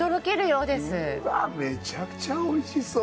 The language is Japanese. うわめちゃくちゃおいしそう。